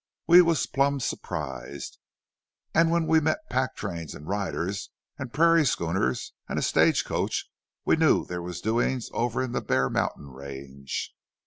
We was plumb surprised. An' when we met pack trains an' riders an' prairie schooners an' a stage coach we knew there was doin's over in the Bear Mountain range.